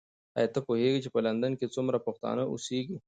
ایا ته پوهېږې چې په لندن کې څومره پښتانه اوسیږي؟